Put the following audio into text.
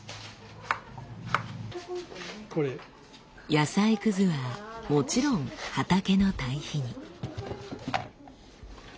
野菜くずはもちろん畑の堆肥に。